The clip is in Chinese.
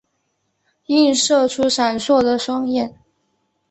映射出闪烁的双眼